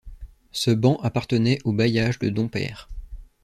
Ce ban appartenait au bailliage de Dompaire.